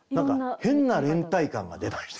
変な連立感が出たと。